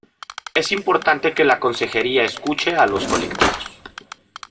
Es importante que la consejería escuche a los colectivos